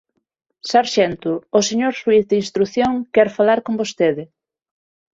Sarxento, o señor xuíz de instrución quere falar con vostede.